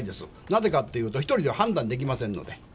なぜかというと、１人では判断できませんので。